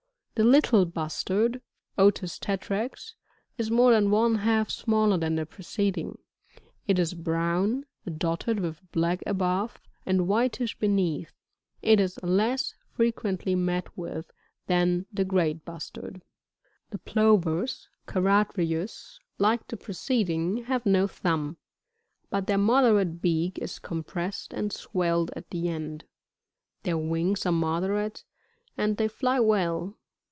23. The Little Bustard, — Otis tetrax, — is more than one half smaller than the preceding ; it is brown, dotted with black above, and whitish beneath. It is less fi*equently met with than the Great Bustard. 24. The Plovers,— CAarffrfrtw«, — (Plate 5, fig, 6.) like the preceding, have no thumb ; but their moderate beak is com pressed and swelled at the end ; their wings are moderate, and they fly well.